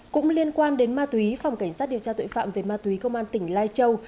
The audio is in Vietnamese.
cũng liên quan đến ma túy phòng cảnh sát điều tra tội phạm về ma túy công an tỉnh lai châu